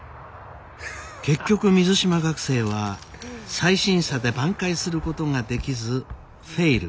結局水島学生は再審査で挽回することができずフェイル